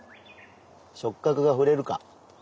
触角が触れるか。